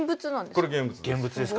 これ現物です。